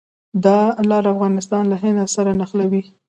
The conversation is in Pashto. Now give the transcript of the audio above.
دا لار افغانستان له هند سره نښلوي.